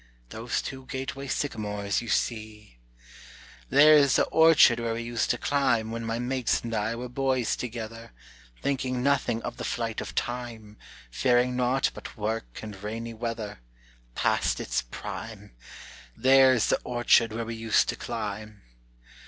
Those two gateway sycamores you see. "There's the orchard where we used to climb When my mates and I were boys together, Thinking nothing of the flight of time, Fearing naught but work and rainy weather; Past its prime! There's the orchard where we used to climb.